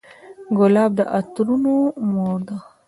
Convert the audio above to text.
ګلاب د عطرونو مور ده.